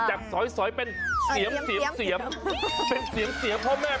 มอลำคลายเสียงมาแล้วมอลำคลายเสียงมาแล้ว